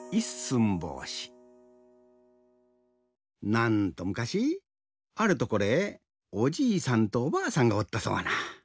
なんとむかしあるところぇおじいさんとおばあさんがおったそうな。